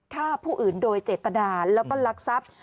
ฆ่าผู้อื่นโดยเจตนาแล้วก็ลักทรัพย์